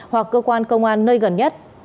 hoặc cơ quan công an nơi gần nhất